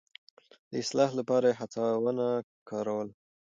د اصلاح لپاره يې هڅونه کاروله.